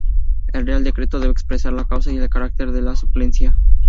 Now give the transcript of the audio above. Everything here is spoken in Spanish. El real decreto debe expresar la causa y el carácter de la suplencia.